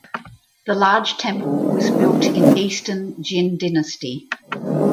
The large temple was built in Eastern Jin Dynasty.